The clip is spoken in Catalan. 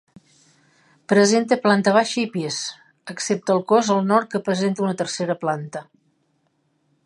Presenta planta baixa i pis, excepte el cos al nord que presenta una tercera planta.